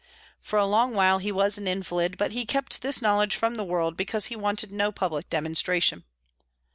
For a long while he was an invalid, but he kept this knowledge from the world, because he wanted no public demonstration.